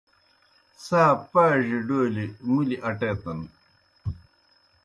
څھا پاڙیْ ڈولیْ مُلیْ اٹیتَن۔